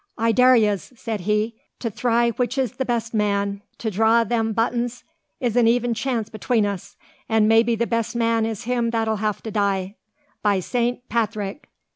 "I dar yez," said he, "to thry which is the best man. To dhraw them buttons is an even chance between us; an' maybe the best man is him that'll have to die. By Saint Pathrick!